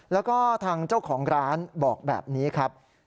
แล้วก็ทางเจ้าของร้านบอกแบบนี้ครับ